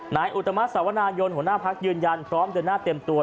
นายอุตมัติสาวนายนหัวหน้าพักยืนยันพร้อมเดินหน้าเต็มตัว